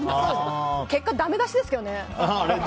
結果ダメ出しですけどね。